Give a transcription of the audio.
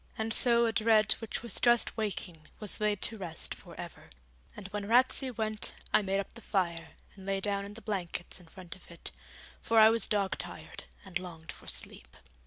And so a dread which was just waking was laid to rest for ever; and when Ratsey went I made up the fire, and lay down in the blankets in front of it, for I was dog tired and longed for sleep.